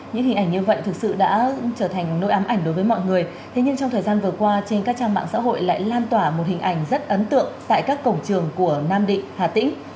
những hình ảnh như vậy thực sự đã trở thành nội ám ảnh đối với mọi người thế nhưng trong thời gian vừa qua trên các trang mạng xã hội lại lan tỏa một hình ảnh rất ấn tượng tại các cổng trường của nam định hà tĩnh